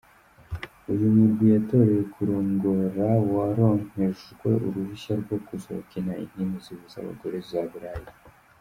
Uyu murwi yatorewe kurongora, waronkejwe uruhusha rwo kuzokina inkino zihuza abagore za Bulaya.